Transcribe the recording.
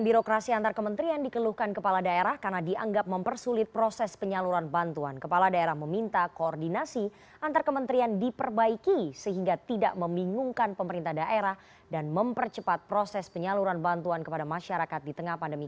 birokrasi antar kementerian dikeluhkan kepala daerah karena dianggap mempersulit proses penyaluran bantuan kepala daerah meminta koordinasi antar kementerian diperbaiki sehingga tidak membingungkan pemerintah daerah dan mempercepat proses penyaluran bantuan kepada masyarakat di tengah pandemi